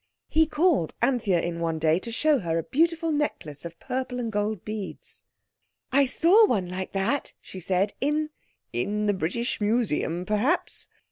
He called Anthea in one day to show her a beautiful necklace of purple and gold beads. "I saw one like that," she said, "in—" "In the British Museum, perhaps?"